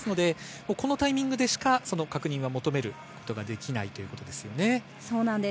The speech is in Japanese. このタイミングでしかその確認を求めることができないんですよね。